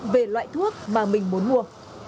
về loại thuốc mà mình muốn mua